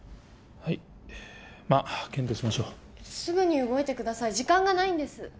はいまあ検討しましょうすぐに動いてください時間がないんです